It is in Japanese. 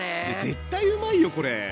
絶対うまいよこれ。